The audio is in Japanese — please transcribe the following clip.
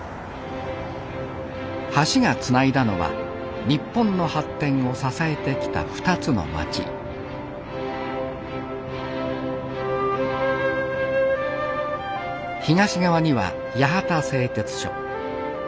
橋がつないだのは日本の発展を支えてきた２つの町東側には八幡製鉄所。